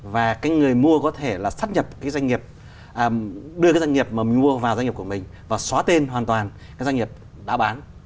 và cái người mua có thể là sát nhập cái doanh nghiệp đưa cái doanh nghiệp mà mua vào doanh nghiệp của mình và xóa tên hoàn toàn cái doanh nghiệp đã bán